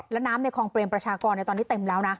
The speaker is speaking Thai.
และน้ำในคลองเปรมประชากรตอนนี้เต็มแล้วนะ